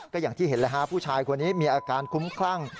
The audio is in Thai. ก็อย่างที่เห็นเลยฮะผู้ชายคนนี้มีอาการคุ้มคลั่ง